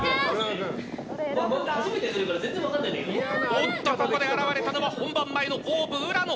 おっと、ここで現れたのは本番前のＯＷＶ浦野！